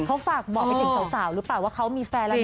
เขาฝากบอกให้อีกสาวหรือเปล่าว่าเขามีแฟนอะไรนะจ๊ะ